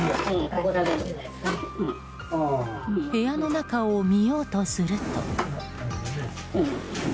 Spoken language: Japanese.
部屋の中を見ようとすると。